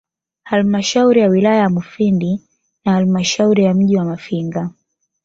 Halmashauri ya wilaya ya Mufindi na Halmashauri ya mji wa Mafinga